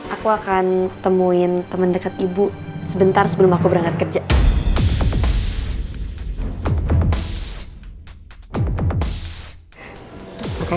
aku akan temuin teman dekat ibu sebentar sebelum aku berangkat kerja